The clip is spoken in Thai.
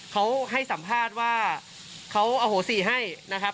เขาให้สัมภาษณ์ว่าเขาอโหสิให้นะครับ